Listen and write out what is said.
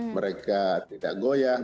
mereka tidak goyang